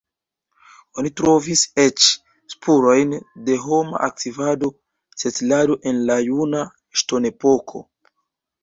Oni trovis eĉ spurojn de homa aktivado, setlado en la juna ŝtonepoko.